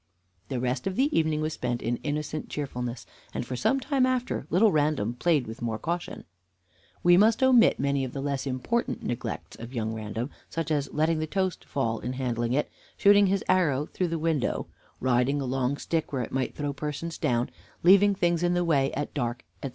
The rest of the evening was spent in innocent cheerfulness, and for some time after little Random played with more caution. We must omit many of the less important neglects of young Random, such as letting the toast fall in handling it, shooting his arrow through the window, riding a long stick where it might throw persons down, leaving things in the way at dark, etc.